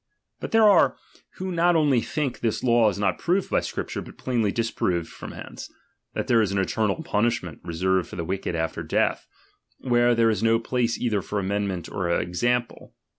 But there ^re, who not only think this law is not proved by Scripture, but plainly disproved from hence ; that there is an eternal punishment reserved for the ■^cked after death, where there is no place either 'for amendment or example.